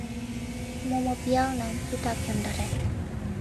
Мумо пиалнам итак йомдаре